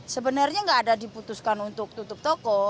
sebenarnya nggak ada diputuskan untuk tutup toko